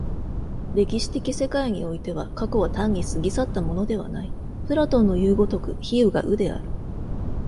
歴史的世界においては、過去は単に過ぎ去ったものではない、プラトンのいう如く非有が有である。